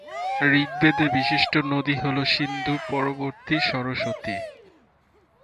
ঋগ্বেদে বিশিষ্ট নদী হল সিন্ধু পরবর্তী, সরস্বতী।